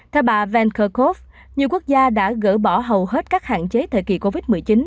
theo bà venkerkove nhiều quốc gia đã gỡ bỏ hầu hết các hạn chế thời kỳ covid một mươi chín